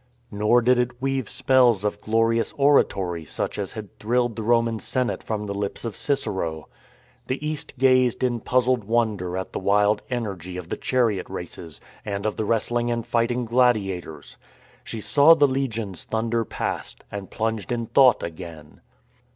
Nor did it weave spells of glorious oratory such as had thrilled the Roman senate from the lips of Cicero. The East gazed in puzzled wonder at the wild energy of the chariot races and of the wrestling and fighting gladiators. " She saw the legions thunder past, And plunged in thought again."